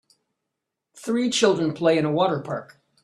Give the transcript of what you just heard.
Three children play in a water park